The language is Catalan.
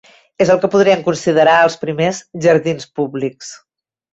És el que es podrien considerar els primers jardins públics.